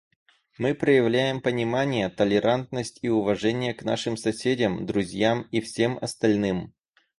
Мы проявляем понимание, толерантность и уважение к нашим соседям, друзьям и всем остальным.